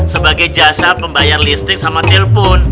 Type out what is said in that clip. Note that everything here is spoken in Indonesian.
sebagai jasa pembayar listrik sama telpon